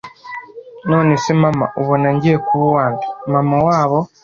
Nonese Mama ubona ngiye kuba uwande »……Mama wabo